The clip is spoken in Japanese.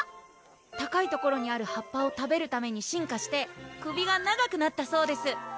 高い所にある葉っぱを食べるために進化して首が長くなったそうです